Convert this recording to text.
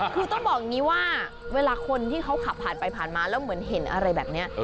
คือต้องบอกอย่างนี้ว่าเวลาคนที่เขาขับผ่านไปผ่านมาแล้วเหมือนเห็นอะไรแบบนี้